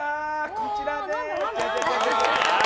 こちらです。